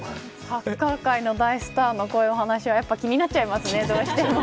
今回の大スターのこういうお話は気になっちゃいますねどうしても。